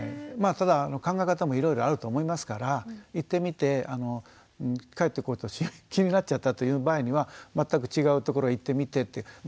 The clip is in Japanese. まあただ考え方もいろいろあると思いますから行ってみて帰ってくると気になっちゃったという場合には全く違うところ行ってみてっていう。